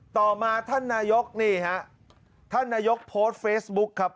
ต่อมาท่านนายกนี่ฮะท่านนายกโพสต์เฟซบุ๊คครับ